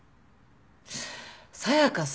紗香さん